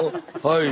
はい」。